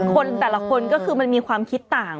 คนแต่ละคนก็คือมันมีความคิดต่าง